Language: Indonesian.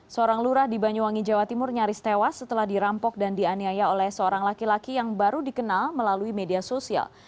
seorang lurah di banyuwangi jawa timur nyaris tewas setelah dirampok dan dianiaya oleh seorang laki laki yang baru dikenal melalui media sosial